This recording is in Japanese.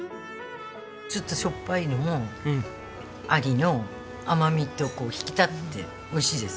ちょっとしょっぱいのもありの甘みとこう引き立って美味しいです。